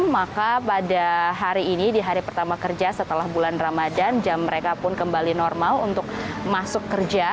maka pada hari ini di hari pertama kerja setelah bulan ramadan jam mereka pun kembali normal untuk masuk kerja